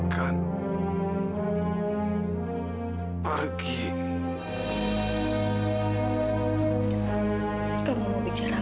kamu ketemu sama siapa